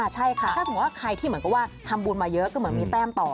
ใช่ค่ะถ้าสมมุติว่าใครที่เหมือนกับว่าทำบุญมาเยอะก็เหมือนมีแต้มต่อ